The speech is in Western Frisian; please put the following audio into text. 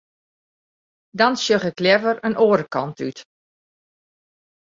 Dan sjoch ik leaver in oare kant út.